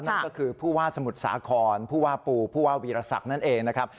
นั่นก็คือผู้ว่าสมุทรสาครผู้ว่าปูผู้ว่าวีรศักดิ์นั่นเองนะครับ